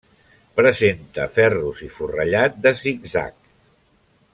Presenta ferros i forrellat de zig-zag.